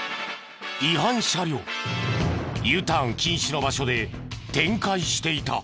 Ｕターン禁止の場所で転回していた。